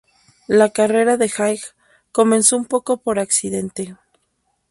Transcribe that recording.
La carrera de Haig comenzó un poco por accidente.